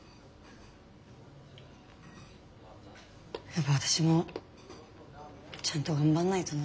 やっぱ私もちゃんと頑張んないとな。